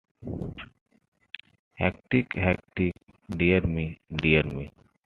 Hectic, hectic! — dear me, dear me!